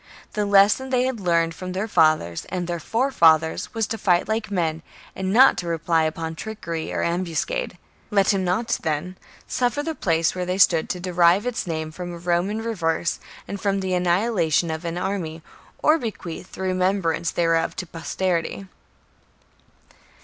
The lesson they had learned from their fathers and their forefathers was to fight like men, and not to rely upon trickery or am buscade. Let him not, then, suffer the place where they stood to derive its name from a Roman reverse and from the annihilation of an 12 CAMPAIGNS AGAINST THE book 58 B.C. army, or bequeath the remembrance thereof to posterity.